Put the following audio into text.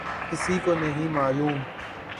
کسی کو نہیں معلوم۔